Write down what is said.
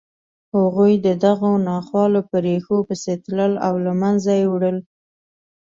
هغوی د دغو ناخوالو په ریښو پسې تلل او له منځه یې وړل